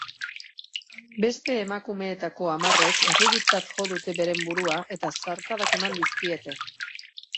Beste emakumeetako hamarrek erruduntzat jo dute beren burua eta zartadak eman dizkiete.